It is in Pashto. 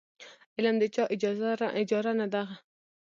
علم د چا اجاره نه ده.